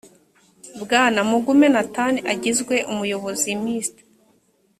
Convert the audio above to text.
bwana mugume nathan agizwe umuyobozi mr